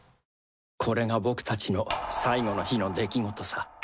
「これが僕たちの最後の日の出来事さ」